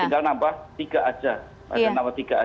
tinggal nambah tiga saja